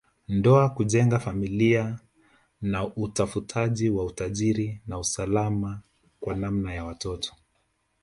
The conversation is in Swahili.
Ndoa kujenga familia na utafutaji wa utajiri na usalama kwa namna ya watoto